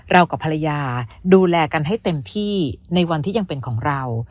กับภรรยาดูแลกันให้เต็มที่ในวันที่ยังเป็นของเรา